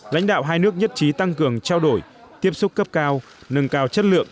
lãnh đạo hai nước nhất trí tăng cường trao đổi tiếp xúc cấp cao nâng cao chất lượng